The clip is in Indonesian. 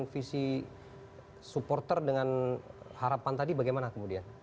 visi supporter dengan harapan tadi bagaimana kemudian